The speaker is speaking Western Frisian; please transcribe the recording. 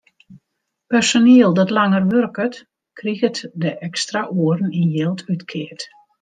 Personiel dat langer wurket, kriget de ekstra oeren yn jild útkeard.